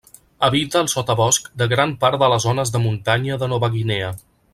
Habita el sotabosc de gran part de les zones de muntanya de Nova Guinea.